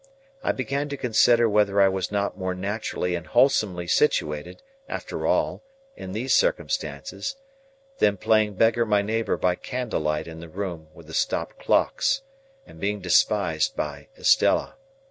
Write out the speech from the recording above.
I began to consider whether I was not more naturally and wholesomely situated, after all, in these circumstances, than playing beggar my neighbour by candle light in the room with the stopped clocks, and being despised by Estella.